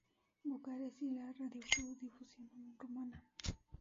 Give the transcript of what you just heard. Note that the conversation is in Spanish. Bucarest y la radiodifusión rumana.